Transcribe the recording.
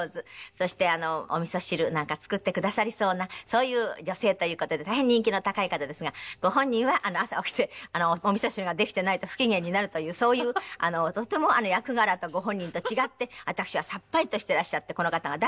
そしてお味噌汁なんか作ってくださりそうなそういう女性という事で大変人気の高い方ですがご本人は朝起きてお味噌汁ができてないと不機嫌になるというそういうとても役柄とご本人と違って私はさっぱりとしていらっしゃってこの方が大好きでございます。